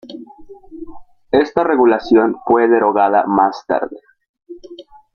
Esta regulación fue derogada más tarde.